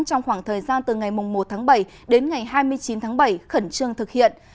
trong khoảng thời gian từ ngày một tháng bảy đến ngày hai mươi chín tháng bảy khẩn trương thực hiện